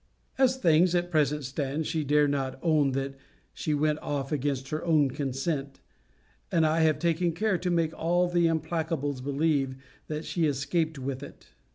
As things at present stand, she dare not own that she went off against her own consent; and I have taken care to make all the implacables believe, that she escaped with it.